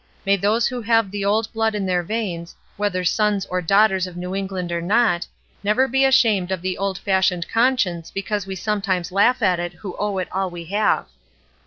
May those who have the old blood in their veins, whether sons and daughters of New England or not, never be ashamed of the old fashioned conscience be cause we sometimes laugh at it who owe it all we have."